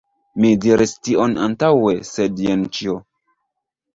Mi diris tion antaŭe, sed jen ĉio.